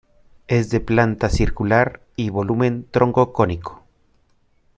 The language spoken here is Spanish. Es de planta circular y volumen troncocónico.